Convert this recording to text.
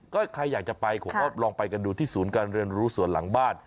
ก็ใครอยากจะไปผมก็ลองไปกันดูที่ศูนย์การเรียนรู้ส่วนหลังบ้าน